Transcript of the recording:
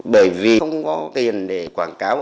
bởi vì không có tiền để quảng cáo